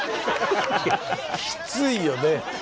きついよね。